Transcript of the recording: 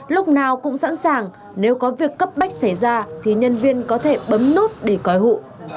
lúc nào cũng sẵn sàng nếu có việc cấp bách xảy ra thì nhân viên có thể bấm nút để coi hụ